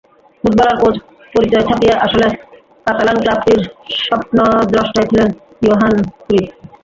Footballer, coach পরিচয় ছাপিয়ে আসলে কাতালান ক্লাবটির স্বপ্নদ্রষ্টাই ছিলেন ইয়োহান ক্রুইফ।